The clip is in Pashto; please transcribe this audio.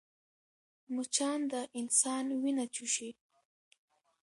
مچان د انسان وینه چوشي